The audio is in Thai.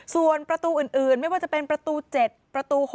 ส่วนประตูอื่นไม่ว่าจะเป็นประตู๗ประตู๖